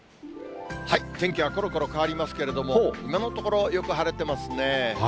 天気はころころ変わりますけれども、今のところ、よく晴れてますね。